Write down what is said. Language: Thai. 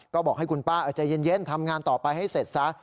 ก็บอกให้คุณป้าใจเย็นทำงานต่อไปให้เสร็จซะ